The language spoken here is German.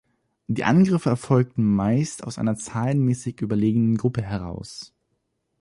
Die Angriffe erfolgten meist aus einer zahlenmäßig überlegenen Gruppe heraus.